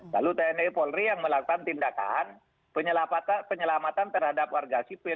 lalu tni polri yang melakukan tindakan penyelamatan terhadap warga sipil